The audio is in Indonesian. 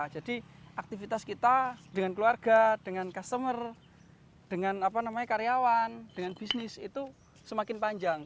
jadi aktivitas kita dengan keluarga dengan customer dengan karyawan dengan bisnis itu semakin panjang